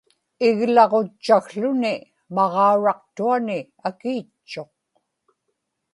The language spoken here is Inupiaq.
iglaġutchakłuni maġauraqtuani akiitchuq